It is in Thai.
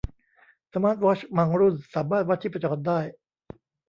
สมาร์ทวอชบางรุ่นสามารถวัดชีพจรได้